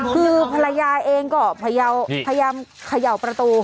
คือภรรยาเองก็พยายามเขย่าประตู